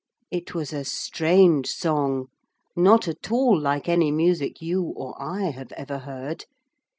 It was a strange song, not at all like any music you or I have ever heard.